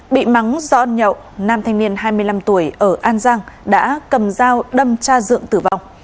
bị mắng do ăn nhậu nam thanh niên hai mươi năm tuổi ở an giang đã cầm dao đâm cha dượng tử vong